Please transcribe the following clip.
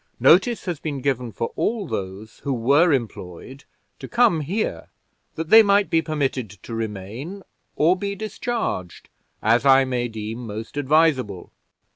Notice has been given for all those who were employed to come here, that they might be permitted to remain, or be discharged, as I may deem most advisable."